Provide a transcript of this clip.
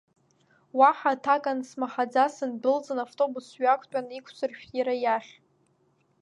Уаҳа аҭак ансмаҳаӡа сындәылҵын, автобус сҩақәтәан, иқәсыршәт иара иахь.